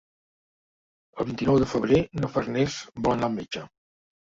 El vint-i-nou de febrer na Farners vol anar al metge.